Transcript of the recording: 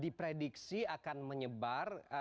diprediksi akan menyebar